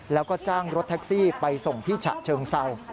แล้วก็จ้างรถแท็กซี่ไปส่งที่ฉะเชิงเศร้า